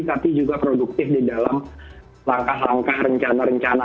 tapi juga produktif di dalam langkah langkah rencana rencana